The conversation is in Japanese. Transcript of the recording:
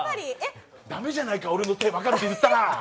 駄目じゃないか、俺の手分かるって言ったら！